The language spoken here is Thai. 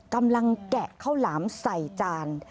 กำลังแกะข้าวหลามใส่จาน